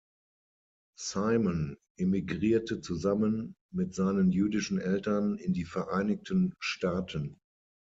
Simon immigrierte zusammen mit seinen jüdischen Eltern in die Vereinigten Staaten.